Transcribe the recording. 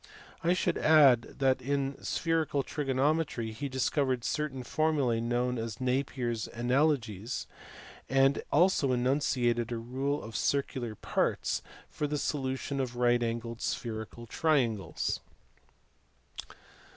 I should add that in spherical trigonometry he discovered certain formulae known as Napier s analogies, and also enunciated a "rule of circular parts " for the solution of right angled spherical triangles.